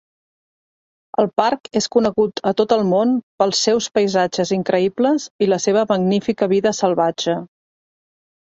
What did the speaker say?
El parc és conegut a tot el món pels seus paisatges increïbles i la seva magnífica vida salvatge.